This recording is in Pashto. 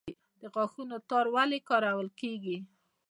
د غاښونو تار ولې کارول کیږي؟